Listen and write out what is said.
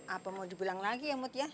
apa mau dibilang lagi ya mut ya